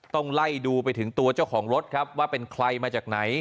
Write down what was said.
ต้องไล่ดูไปถึงตัวเจ้าของรถครับว่าเป็นใครมาจากไหน